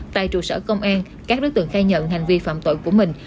tại trụ sở công an các đối tượng khai nhận hành vi phạm tội của mình